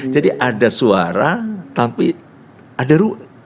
jadi ada suara tapi ada ru